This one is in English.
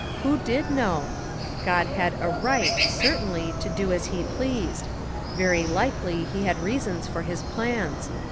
Who did know ? God had a right certainly to do as he rjleased. Very likely he had reasons for his plpns.